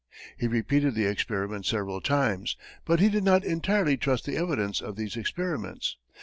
He repeated the experiment several times, but he did not entirely trust the evidence of these experiments.